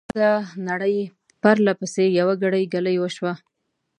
په ګرده نړۍ، پرله پسې، يوه ګړۍ، ګلۍ وشوه .